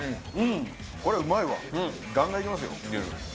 これうまいわガンガンいけますよ。